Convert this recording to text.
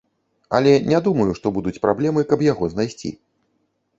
Але не думаю, што будуць праблемы, каб яго знайсці.